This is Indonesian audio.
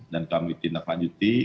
dan kami tindak lanjuti